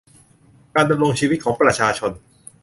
การดำรงชีวิตของประชาชน